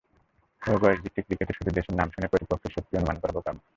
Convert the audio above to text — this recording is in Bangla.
তবে বয়সভিত্তিক ক্রিকেটে শুধু দেশের নাম শুনে প্রতিপক্ষের শক্তি অনুমান করা বোকামি।